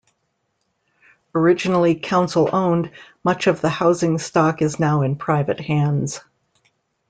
Originally council owned, much of the housing stock is now in private hands.